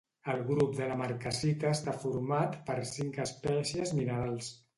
El grup de la marcassita està format per cinc espècies minerals.